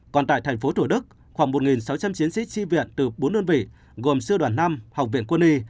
còn tại thành phố thủ đức khoảng một sáu trăm linh chiến sĩ tri viện từ bốn đơn vị gồm sư đoàn năm học viện quân y